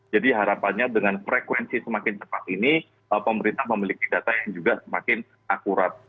jadi harapannya dengan frekuensi semakin cepat ini pemerintah memiliki data yang juga semakin akurat